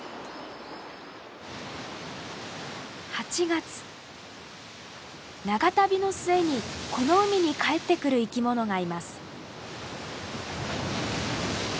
８月長旅の末にこの海に帰ってくる生きものがいます。